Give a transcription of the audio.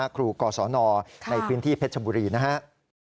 ครูกศนในพื้นที่เพชรชบุรีนะครับ